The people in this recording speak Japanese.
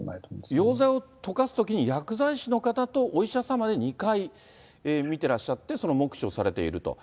溶剤を溶かすときに薬剤師の方とお医者様で２回見てらっしゃって、その目視をされていると。